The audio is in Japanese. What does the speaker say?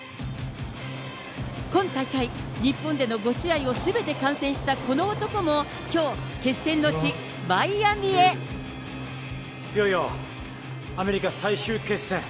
今大会、日本での５試合をすべて観戦したこの男もきょう、いよいよアメリカ最終決戦。